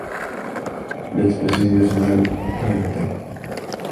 La explosión dio la señal para el ataque.